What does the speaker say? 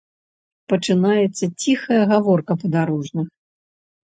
Пачынаецца ціхая гаворка падарожных.